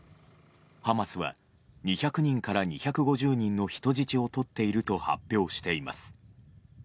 ハマスは２００人から２５０人の人質をとっていると発表しています。